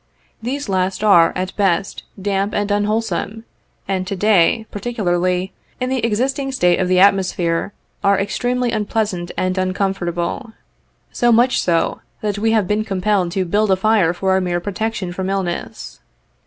These last are, at best, damp and unwholesome, and to day particularly, in the existing state of the atmosphere, are extremely unpleasant and uncomfortable — so much so, that we have been compelled to build a fire for our mere protection from illness.